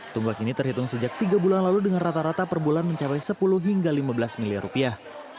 tunggak ini terhitung sejak tiga bulan lalu dengan rata rata per bulan mencapai sepuluh hingga lima belas miliar rupiah